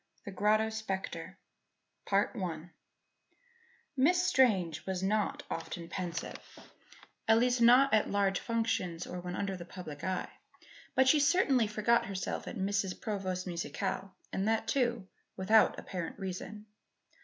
THE GROTTO SPECTRE Miss Strange was not often pensive at least not at large functions or when under the public eye. But she certainly forgot herself at Mrs. Provost's musicale and that, too, without apparent reason.